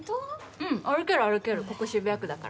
うん、歩ける、歩ける、ここ渋谷区だから。